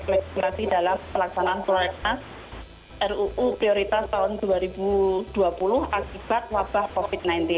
regulasi dalam pelaksanaan prolegnas ruu prioritas tahun dua ribu dua puluh akibat wabah covid sembilan belas